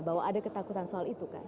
bahwa ada ketakutan soal itu kan